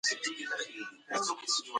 دا نجلۍ په کور کې خیاطي زده کوي.